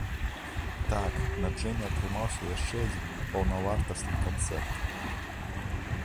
Так, на джэме атрымаўся яшчэ адзін паўнавартасны канцэрт!